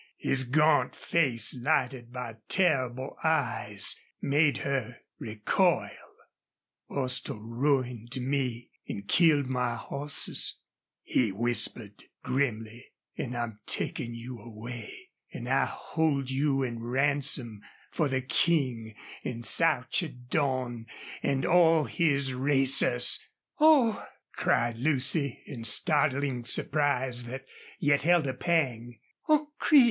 His gaunt face, lighted by terrible eyes, made her recoil. "Bostil ruined me an' killed my hosses," he whispered, grimly. "An' I'm takin' you away. An' I'll hold you in ransom for the King an' Sarchedon an' all his racers!" "Oh!" cried Lucy, in startling surprise that yet held a pang. "Oh, Creech!